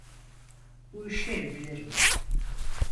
Bu işleri bilirim.